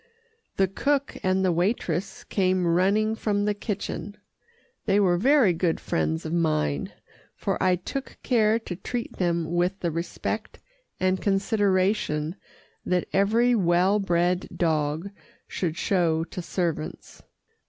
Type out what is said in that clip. The cook and the waitress came running from the kitchen. They were very good friends of mine, for I took care to treat them with the respect and consideration that every well bred dog should show to servants.